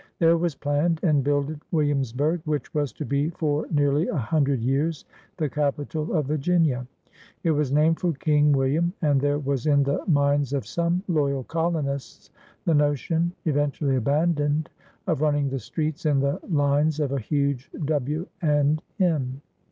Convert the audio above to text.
There was planned and builded Williamsburg, which was to be for nearly a hundred years the capital of Virginia. It was named for King William, and there was in the minds of some loyal colonists the notion, even tually abandoned, of running the streets in the lines of a huge W and M.